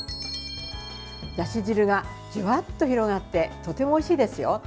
だし汁がジュワッと広がってとてもおいしいですよ。